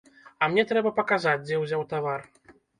А мне трэба паказаць, дзе ўзяў тавар.